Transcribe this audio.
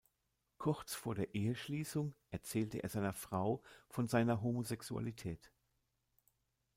Kurz vor der Eheschließung erzählte er seiner Frau von seiner Homosexualität.